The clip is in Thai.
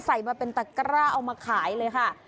ใส่มาเป็นตะกร้าเอามาขายเลยค่ะ